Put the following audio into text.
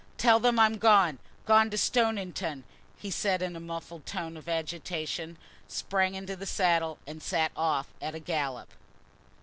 "Tell them I'm gone—gone to Stoniton," he said in a muffled tone of agitation—sprang into the saddle, and set off at a gallop.